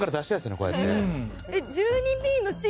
こうやって。